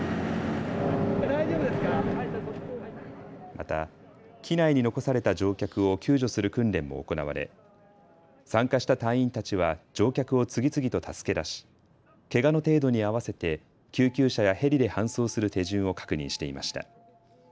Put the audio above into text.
また機内に残された乗客を救助する訓練も行われ参加した隊員たちは乗客を次々と助け出しけがの程度に合わせて救急車やヘリで搬送する手順を確認していました。